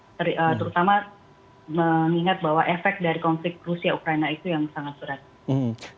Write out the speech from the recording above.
terutama mengingat bahwa efek dari konflik rusia ukraina itu yang sangat berat